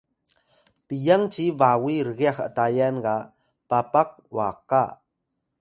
piyang ci bawi rgyax Atayal ga Papakwaka